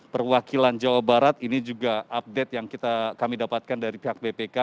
perwakilan jawa barat ini juga update yang kami dapatkan dari pihak bpk